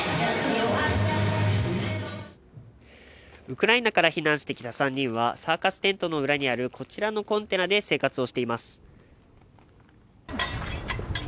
ウクライナから避難してきた３人は、サーカステントの裏にある、こちらのコンテナで生活をしています。